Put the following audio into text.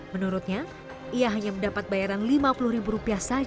menurutnya ia hanya mendapat bayaran rp lima puluh